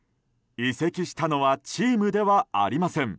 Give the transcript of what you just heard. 移籍したのはチームではありません。